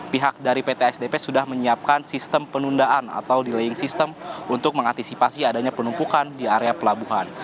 pihak dari pt sdp sudah menyiapkan sistem penundaan atau delaying system untuk mengantisipasi adanya penumpukan di area pelabuhan